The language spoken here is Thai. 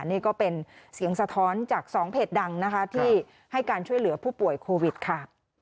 นี่ก็เป็นเสียงสะท้อนจาก๒เพจดังนะคะที่ให้การช่วยเหลือผู้ป่วยโควิดค่ะ